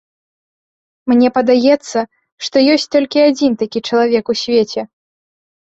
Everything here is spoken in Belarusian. Мне падаецца, што ёсць толькі адзін такі чалавек у свеце.